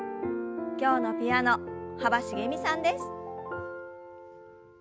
今日のピアノ幅しげみさんです。